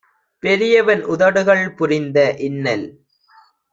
பெரியவன் உதடுகள் புரிந்த இன்னல்